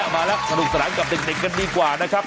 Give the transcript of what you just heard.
มาแล้วสนุกสนานกับเด็กกันดีกว่านะครับ